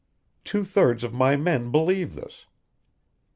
Two thirds of my men believe this.